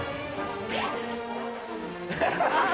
ハハハ